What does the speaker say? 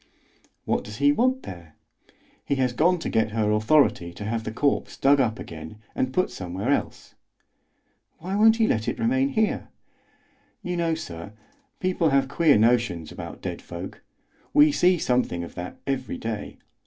"What does he want there?" "He has gone to get her authority to have the corpse dug up again and put somewhere else." "Why won't he let it remain here?" "You know, sir, people have queer notions about dead folk. We see something of that every day.